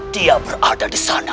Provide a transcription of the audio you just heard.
dia berada disana